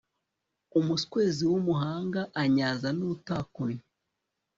umuswezi w'umuhanga anyaza n'utarakunnye